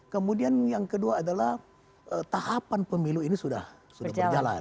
kemudian yang kedua adalah tahapan pemilu ini sudah berjalan